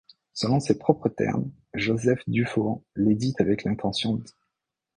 Selon ses propres termes, Joseph Dufour l'édite avec l'intention d'.